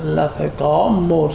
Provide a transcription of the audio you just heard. là phải có một